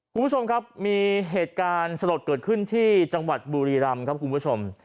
คุณผู้ชมครับมีเหตุการณ์สลดเกิดขึ้นที่จังหวัดบุรีรำครับคุณผู้ชม